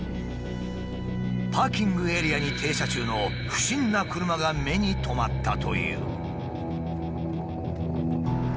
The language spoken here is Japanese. パーキングエリアに停車中の不審な車が目に留まったという。